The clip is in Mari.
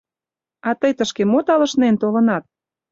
А тый тышке мо талышнен толынат?!